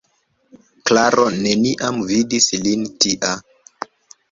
Klaro neniam vidis lin tia.